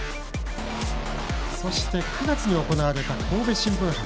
そして、９月に行われた神戸新聞杯。